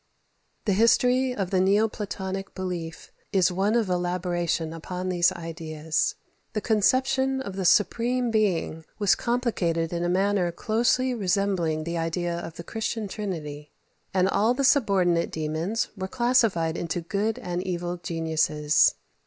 21. The history of the neo Platonic belief is one of elaboration upon these ideas. The conception of the Supreme Being was complicated in a manner closely resembling the idea of the Christian Trinity, and all the subordinate daemons were classified into good and evil geniuses.